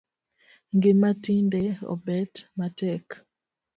Ngima tinde obet matek